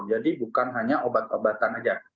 jadi bukan hanya obat obatan aja